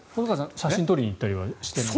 写真撮りに行ったりはしてます？